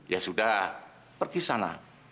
ya sudah pergi sana